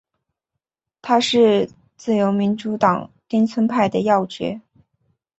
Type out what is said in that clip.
他是自由民主党町村派的要角。